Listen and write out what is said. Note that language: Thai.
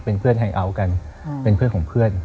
เป็นเพื่อนไฮเอาท์กันเป็นเพื่อนของเพื่อน